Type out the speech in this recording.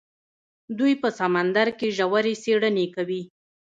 دوی په سمندر کې ژورې څیړنې کوي.